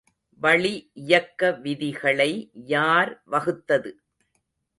வளி இயக்க விதிகளை யார் வகுத்தது?